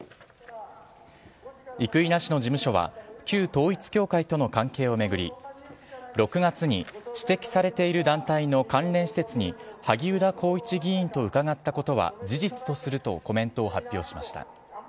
生稲氏の事務所は旧統一教会との関係を巡り６月に指摘されている団体の関連施設に萩生田光一議員と伺ったことは事実とするコメントを発表しました。